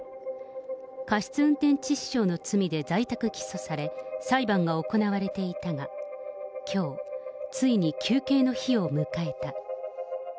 過失運転致死傷の罪で在宅起訴され、裁判が行われていたが、きょう、ついに求刑の日を迎えた。